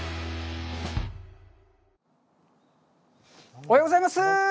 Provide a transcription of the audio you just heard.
おはようございます。